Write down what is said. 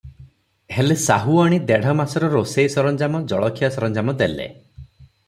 ହେଲେ, ସାହୁଆଣୀ ଦେଢ଼ ମାସର ରୋଷେଇ ସରଞ୍ଜାମ, ଜଳଖିଆ ସରଞ୍ଜାମ ଦେଲେ ।